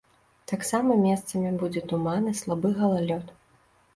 Таксама месцамі будзе туман і слабы галалёд.